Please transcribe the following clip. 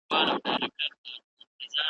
پاس پر ونو ځالګۍ وې د مرغانو `